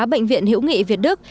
bệnh viện hữu nghị việt đức